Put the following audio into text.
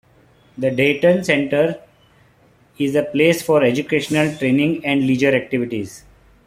The Deighton Centre is a place for educational, training and leisure activities.